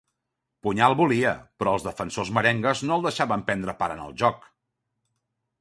Puñal volia, però el defensors merengues no el deixaven prendre part en el joc.